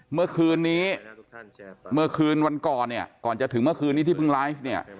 เมื่อคืนนี้เมื่อคืนวันก่อนเนี่ยก่อนจะถึงเมื่อคืนนี้ที่เพิ่งไลฟ์เนี่ย